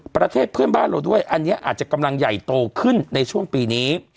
ประเทศเพื่อนบ้านเราด้วยอันนี้อาจจะกำลังใหญ่โตขึ้นในช่วงปีนี้